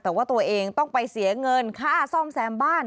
แต่ว่าตัวเองต้องไปเสียเงินค่าซ่อมแซมบ้าน